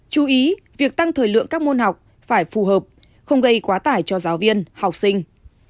chú ý việc tăng thời lượng các môn học phải phù hợp không gây quá tải cho giáo viên học sinh